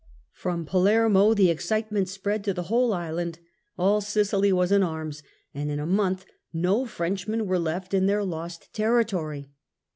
From Palermo the excitement spread to the whole island ; all Sicily was in arms and in a month no Frenchmen were left in their lost territory.